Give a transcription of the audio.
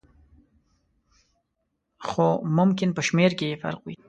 خو ممکن په شمېر کې یې فرق وي.